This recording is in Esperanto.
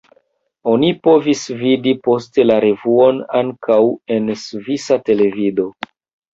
Oni povos vidi poste la revuon ankaŭ en svisa televido.